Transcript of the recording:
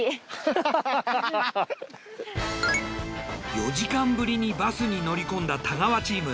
４時間ぶりにバスに乗り込んだ太川チーム。